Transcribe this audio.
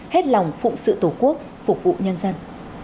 hết lòng phụ sự tổ quốc phục vụ nhân dân